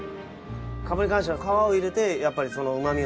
かぶに関しては皮を入れてそのうまみを出す。